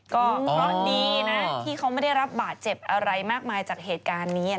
ก็เพราะดีนะที่เขาไม่ได้รับบาดเจ็บอะไรมากมายจากเหตุการณ์นี้